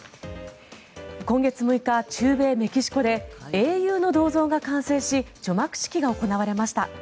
今月６日、中米メキシコで英雄の銅像が完成し除幕式が行われました。